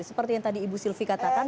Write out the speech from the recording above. seperti yang tadi ibu sylvi katakan